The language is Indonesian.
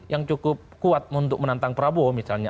yang cukup kuat untuk menantang prabowo misalnya